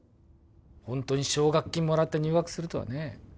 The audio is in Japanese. ほんとに奨学金もらって入学するとはね